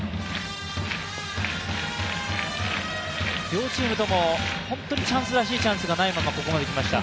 両チームとも本当にチャンスらしいチャンスがないままここまできました。